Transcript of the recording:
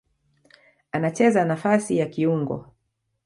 Anacheza nafasi ya kiungo.